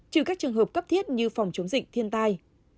trừ các trường hợp cấp thiết như phòng chống dịch thiên tai